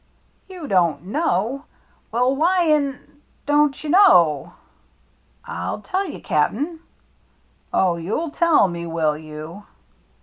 " You dorCt know ! Well, why in don't you know ?"" ril tell you, Cap'n." « Oh, you'll tell me, will you